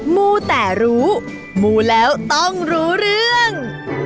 มูแต่รู้มูแล้วต้องรู้เรื่อง